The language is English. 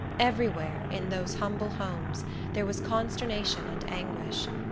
Every where, in those humble homes, there was consternation and anguish.